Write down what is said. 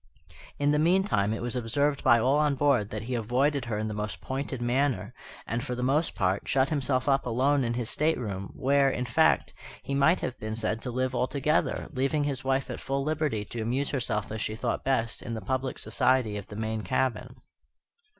In the meantime it was observed by all on board that he avoided her in the most pointed manner, and, for the most part, shut himself up alone in his stateroom, where, in fact, he might have been said to live altogether, leaving his wife at full liberty to amuse herself as she thought best in the public society of the main cabin.